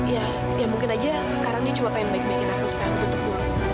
ya ya mungkin aja sekarang dia cuma pengen baik baikin aku supaya tutup dulu